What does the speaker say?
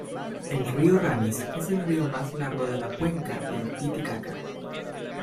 El río Ramis es el río más largo de la cuenca del Titicaca.